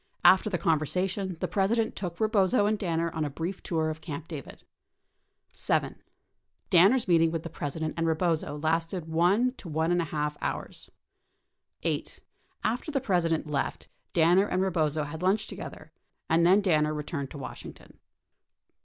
After the conversation, the President took Rebozo and Dinner on a brief tour of Camp David. 7. Danner's meeting with the President and Rebozo lasted for one to one and a half hours. 8. After the President left, Danner and Rebozo had lunch to gether and then Danner returned to Washington.